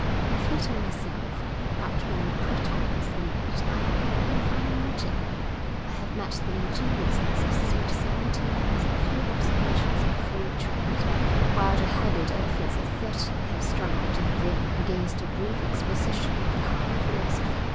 I flatter myself that when prattle was needed, I have never been found wanting. I have met the ingenuousness of sweet seventeen with a few observations on Free Trade, while the haggard efforts of thirty have struggled in vain against a brief exposition of the higher philosophy.'